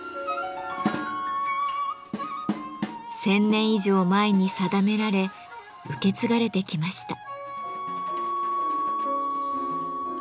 １，０００年以上前に定められ受け継がれてきました。